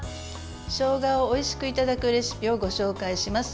しょうがをおいしくいただくレシピをご紹介します。